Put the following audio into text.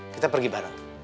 kita pergi bareng